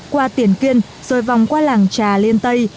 qua tiền kiên rồi vòng qua làng trà liên tây